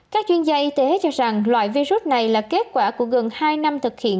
các chuyên gia y tế cho rằng loại virus này là kết quả của gần hai năm thực hiện